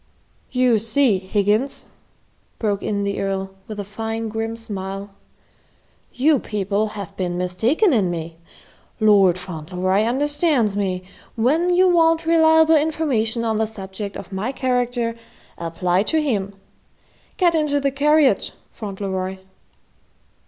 "You see, Higgins," broke in the Earl with a fine grim smile, "you people have been mistaken in me. Lord Fauntleroy understands me. When you want reliable information on the subject of my character, apply to him. Get into the carriage, Fauntleroy."